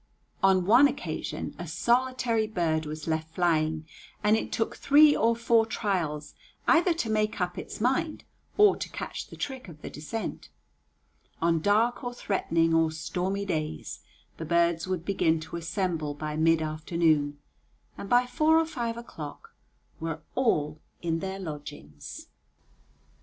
On one occasion a solitary bird was left flying, and it took three or four trials either to make up its mind or to catch the trick of the descent. On dark or threatening or stormy days the birds would begin to assemble by mid afternoon, and by four or five o'clock were all in their lodgings.